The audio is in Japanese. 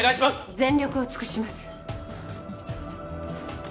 全力を尽くします。